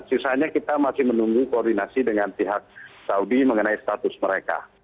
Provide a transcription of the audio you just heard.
sisanya kita masih menunggu koordinasi dengan pihak saudi mengenai status mereka